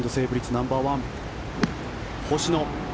ナンバーワン星野。